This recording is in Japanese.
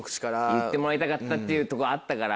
言ってもらいたかったっていうとこあったから。